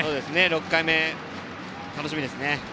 ６回目、楽しみですね。